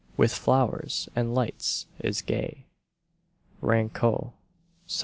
With flowers and lights is gay, ^ Ranko (1728.